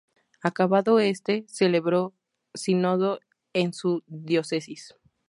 Acabado este, celebró sínodo en su diócesis.